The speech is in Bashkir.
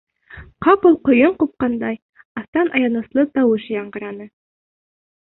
Ҡапыл ҡойон ҡупҡандай, аҫтан аяныслы тауыш яңғыраны...